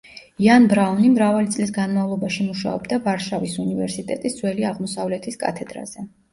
იან ბრაუნი მრავალი წლის განმავლობაში მუშაობდა ვარშავის უნივერსიტეტის ძველი აღმოსავლეთის კათედრაზე.